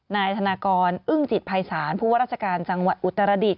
นายธนากรอึ้งจิตภัยศาลผู้ว่าราชการจังหวัดอุตรดิษฐ